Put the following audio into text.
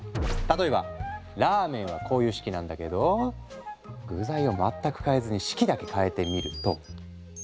例えばラーメンはこういう式なんだけど具材を全く変えずに式だけ変えてみると。